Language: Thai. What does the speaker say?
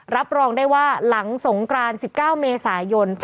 รับรองได้ว่าหลังสงกราน๑๙เมษายน